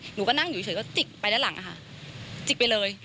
หนูก็นั่งอยู่เฉยก็จิกไปด้านหลังค่ะจิกไปเลย